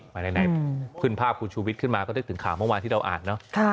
ภายในขึ้นภาพคุณชูวิทย์ขึ้นมาก็นึกถึงข่าวเมื่อวานที่เราอ่านเนอะ